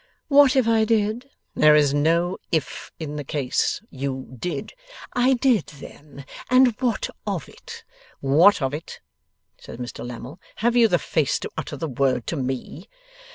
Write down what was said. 'What if I did?' 'There is no "if" in the case. You did.' 'I did, then. And what of it?' 'What of it?' says Mr Lammle. 'Have you the face to utter the word to me?